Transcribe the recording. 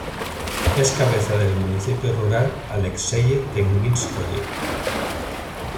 Es cabeza del municipio rural Alekseye-Tenguinskoye.